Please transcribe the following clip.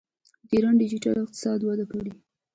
د ایران ډیجیټل اقتصاد وده کړې.